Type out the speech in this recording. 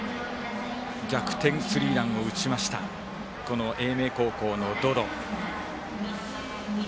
逆転スリーランを打ちました英明高校の百々。